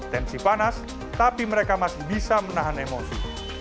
tensi panas tapi mereka masih bisa menahan emosi